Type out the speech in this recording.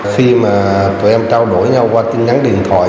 khi mà tụi em trao đổi nhau qua tin nhắn điện thoại